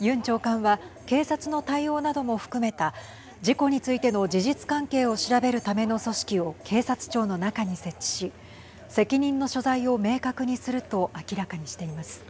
ユン長官は警察の対応なども含めた事故についての事実関係を調べるための組織を警察庁の中に設置し責任の所在を明確にすると明らかにしています。